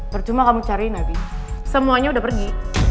percuma kamu cariin abie semuanya udah pergi